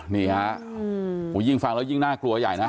นี่ครับยิ่งฟังแล้วยิ่งน่ากลัวใหญ่นะครับ